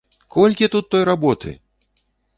Колькі тут той работы!